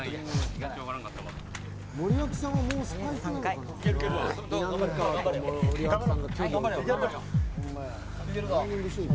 森脇さんはもうスパイクなのかな。